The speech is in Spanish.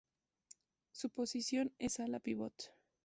Su posición es Ala-Pívot.